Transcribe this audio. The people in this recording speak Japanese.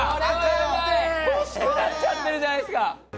欲しくなっちゃってるじゃないっすか！！